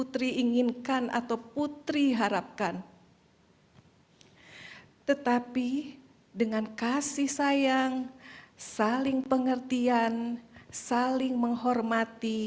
terima kasih atas segalanya